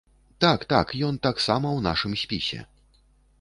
Так, так, ён таксама ў нашым спісе.